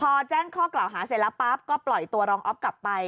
พอแจ้งข้อกล่าวหาเสร็จแล้วปั๊บก็ปล่อยตัวรองอ๊อฟกลับไป